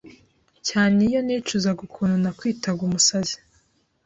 Cyane iyo nicuzaga ukuntu nakwitaga umusazi,